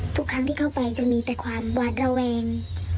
ทุกครั้งที่เข้าไปจะมีแต่ความหวาดระแวง